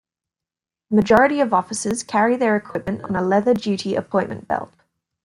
The majority of officers carry their equipment on a leather duty appointment belt.